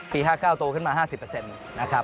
๕๙โตขึ้นมา๕๐นะครับ